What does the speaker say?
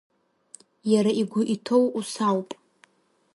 Иара игәы иҭоу ус ауп…